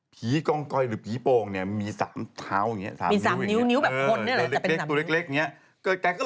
ผีกองเกอดิ์หรือที่พรงเนี่ยมีสามเท้ามีสามนิ้วแต่สามนิ้วเป็นตัวเล็ก